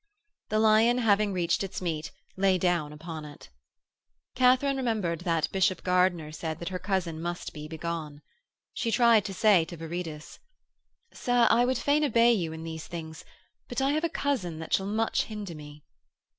The lion having reached its meat lay down upon it. Katharine remembered that Bishop Gardiner said that her cousin must be begone. She tried to say to Viridus: 'Sir, I would fain obey you in these things, but I have a cousin that shall much hinder me.'